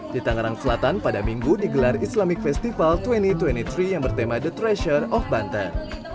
di tangerang selatan pada minggu digelar islamic festival dua ribu dua puluh tiga yang bertema the treasure of banten